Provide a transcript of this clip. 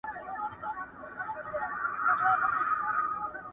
خدایه ملیار مي له ګلونو سره لوبي کوي٫